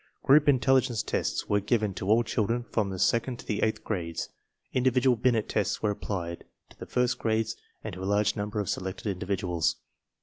Group intelligence tests were giv£oJ to all children from the second to the eighth grades; individual Binet tests were applied to the first grades and to a large number of selected individuals.